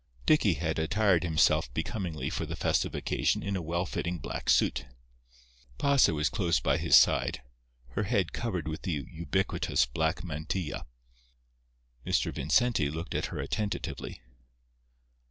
Dicky had attired himself becomingly for the festive occasion in a well fitting black suit. Pasa was close by his side, her head covered with the ubiquitous black mantilla. Mr. Vincenti looked at her attentively.